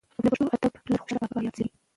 د پښتو ادب پلار خوشحال بابا یاد سوى.